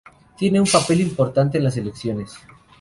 Tiene un papel importante en las elecciones.